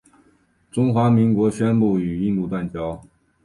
中华民国宣布与印度断交。